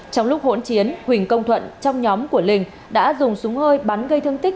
trong lúc hỗn chiến huỳnh công thuận trong nhóm của linh đã dùng súng hơi bắn gây thương tích